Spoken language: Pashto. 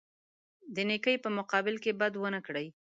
د نیکۍ په مقابل کې بد ونه کړي.